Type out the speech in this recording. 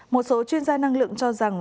một số chuyên gia năng lượng cho rằng